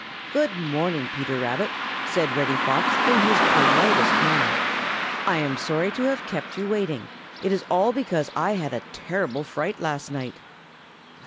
"Good morning, Peter Rabbit," said Reddy Fox, in his politest manner. "I am sorry to have kept you waiting; it is all because I had a terrible fright last night."